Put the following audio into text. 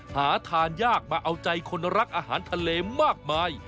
หาทานยากมาเอาใจคนรักอาหารทะเลมากมาย